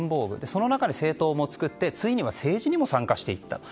その中で、政党も作ってついには政治にも参加していった。